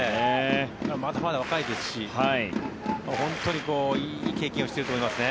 まだまだ若いですしいい経験をしていると思いますね。